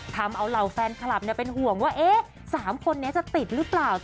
ทำเอาเหล่าแฟนคลับเป็นห่วงว่า๓คนนี้จะติดหรือเปล่า